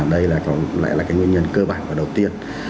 đây có lẽ là cái nguyên nhân cơ bản và đầu tiên